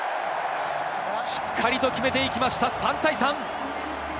しっかり決めていきました、３対３。